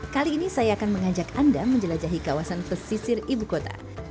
kali ini saya akan mengajak anda menjelajahi kawasan pesisir ibu kota